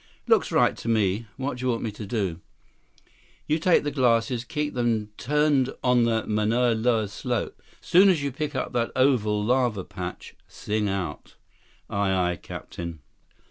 "Looks right to me. What do you want me to do?" "You take the glasses. Keep them turned on the Mauna Loa slope. Soon as you pick up that oval lava patch, sing out." "Aye, aye, captain."